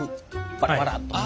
バラバラッと。